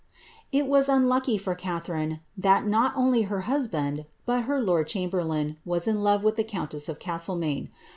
It was unlucky for Catharine, that not only her husband, but her lord chamberlain, was in love with the countess of Castlemaine.